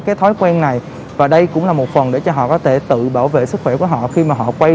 cái thói quen này và đây cũng là một phần để cho họ có thể tự bảo vệ sức khỏe của họ khi mà họ quay